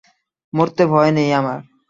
মরতে ভয় নেই আমার।